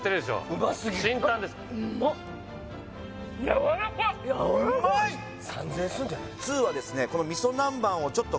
うますぎる芯タンですからやわらかいうまい３０００円するんじゃない？